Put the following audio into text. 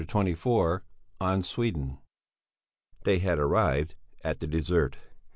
CHAPTER XXIV ON SWEDEN They had arrived at the dessert.